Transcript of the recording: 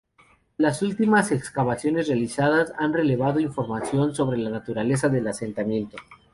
Las últimas excavaciones realizadas han revelado información sobre la naturaleza del asentamiento.